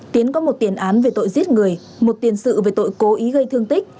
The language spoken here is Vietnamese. tiến có một tiền án về tội giết người một tiền sự về tội cố ý gây thương tích